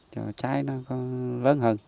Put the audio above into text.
cho trái nó lớn hơn